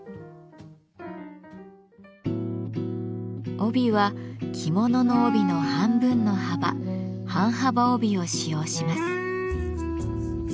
帯は着物の帯の半分の幅「半幅帯」を使用します。